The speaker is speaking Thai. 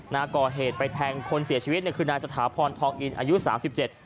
นะก่อเหตุไปแทงคนเสียชีวิตเนี่ยคือนายสถาพรทองอินอายุสามสิบเจ็ด